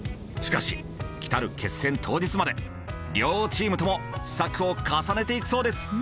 しかし来る決戦当日まで両チームとも試作を重ねていくそうです。